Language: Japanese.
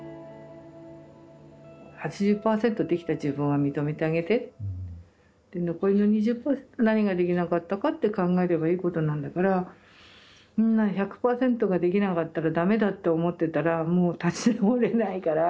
８０％できた自分は認めてあげて残りの２０％何ができなかったかって考えればいいことなんだから１００％ができなかったら駄目だって思ってたらもう立ち直れないから。